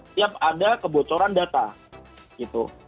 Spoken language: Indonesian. setiap ada kebocoran data gitu